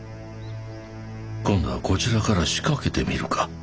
今度はこちらから仕掛けてみるか。